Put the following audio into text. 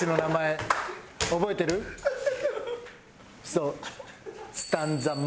そう。